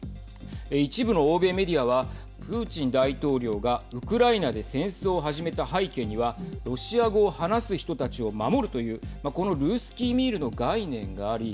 一部の欧米メディアはプーチン大統領がウクライナで戦争を始めた背景にはロシア語を話す人たちを守るというこのルースキーミールの概念があり